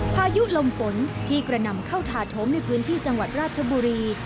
พายุลมฝนที่กระนำเข้าถาโถมในพื้นที่จังหวัดราชบุรี